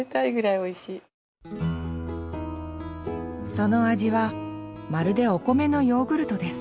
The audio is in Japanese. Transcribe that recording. その味はまるでお米のヨーグルトです。